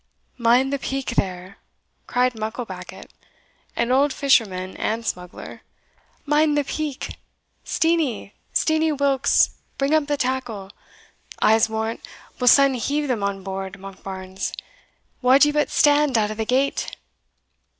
"Mind the peak there," cried Mucklebackit, an old fisherman and smuggler "mind the peak Steenie, Steenie Wilks, bring up the tackle I'se warrant we'll sune heave them on board, Monkbarns, wad ye but stand out o' the gate."